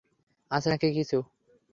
আছে নাকি কিছু?